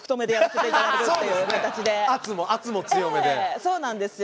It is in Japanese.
ええそうなんですよ。